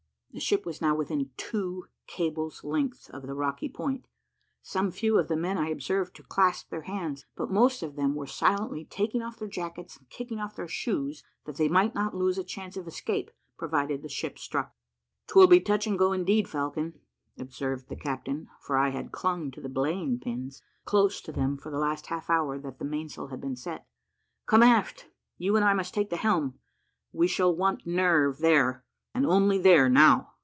The ship was now within two cables' lengths of the rocky point; some few of the men I observed to clasp their hands, but most of them were silently taking off their jackets, and kicking off their shoes, that they might not lose a chance of escape provided the ship struck. "'Twill be touch and go indeed, Falcon," observed the captain (for I had clung to the belaying pins, close to them for the last half hour that the mainsail had been set). "Come aft, you and I must take the helm. We shall want nerve there, and only there, now."